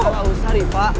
gak usah riva